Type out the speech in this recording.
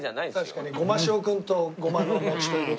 確かにごま塩君とごまの餅という事でね。